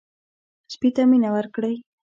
سپي ته مینه ورکړئ.